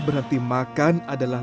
berhenti makan adalah